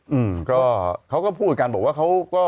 อืมก็เขาก็พูดกันบอกว่าเขาก็